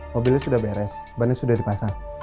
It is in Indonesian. mobilnya sudah beres bannya sudah dipasang